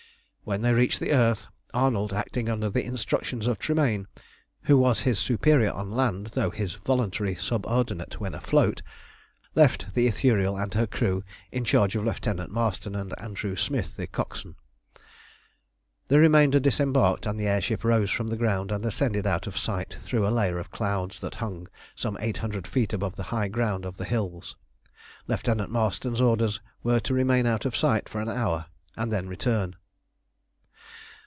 When they reached the earth, Arnold, acting under the instructions of Tremayne, who was his superior on land though his voluntary subordinate when afloat, left the Ithuriel and her crew in charge of Lieutenant Marston and Andrew Smith, the coxswain. The remainder disembarked, and then the air ship rose from the ground and ascended out of sight through a layer of clouds that hung some eight hundred feet above the high ground of the hills. Lieutenant Marston's orders were to remain out of sight for an hour and then return.